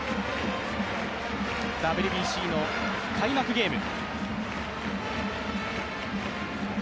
ＷＢＣの開幕ゲーム。